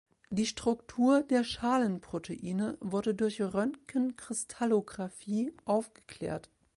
Die Struktur der Schalenproteine wurde durch Röntgenkristallographie aufgeklärt.